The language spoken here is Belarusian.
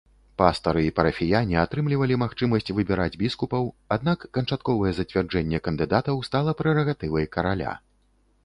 Пастары і парафіяне атрымлівалі магчымасць выбіраць біскупаў, аднак канчатковае зацвярджэнне кандыдатаў стала прэрагатывай караля.